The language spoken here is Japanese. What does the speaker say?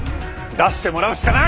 出してもらうしかない！